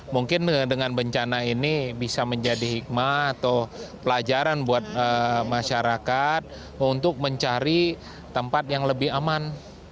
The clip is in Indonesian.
mungkin dengan bencana ini bisa menjadi hikmah atau pelajaran buat masyarakat untuk mencari tempat yang lebih aman